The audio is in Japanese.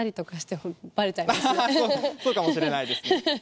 ハハハそうかもしれないですね。